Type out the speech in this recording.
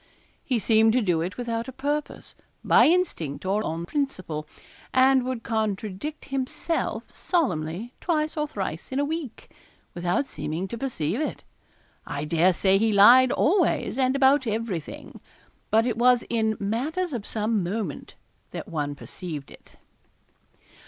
He seemed to do it without a purpose by instinct, or on principle and would contradict himself solemnly twice or thrice in a week, without seeming to perceive it. I dare say he lied always, and about everything. But it was in matters of some moment that one perceived it.